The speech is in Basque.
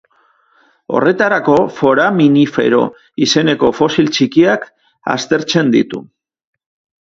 Horretarako foraminifero izeneko fosil txikiak aztertzen ditu.